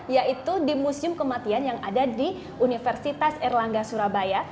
yaitu di museum kematian yang ada di universitas erlangga surabaya